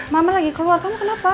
mama lagi keluar kamu kenapa